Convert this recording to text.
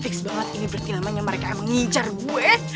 fix banget ini berarti namanya mereka emang ngingcar gue